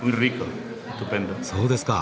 そうですか。